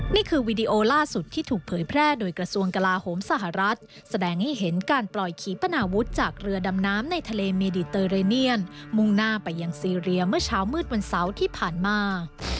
วีดีโอล่าสุดที่ถูกเผยแพร่โดยกระทรวงกลาโหมสหรัฐแสดงให้เห็นการปล่อยขีปนาวุฒิจากเรือดำน้ำในทะเลเมดิเตอร์เรเนียนมุ่งหน้าไปยังซีเรียเมื่อเช้ามืดวันเสาร์ที่ผ่านมา